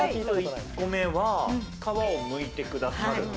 １個目は皮をむいてくださる。